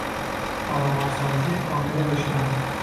تارومار سازی کامل دشمن